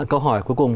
câu hỏi cuối cùng